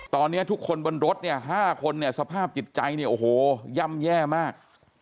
ตอนนี้ทุกคนบนรถ๕คนสภาพจิตใจโอ้โฮย่ำแย่มาก